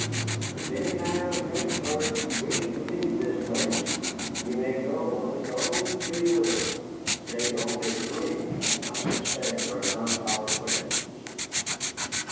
And if any man of French birth wish to leave this place, he may go of his own free will, save only three whom I suspect are not our friends."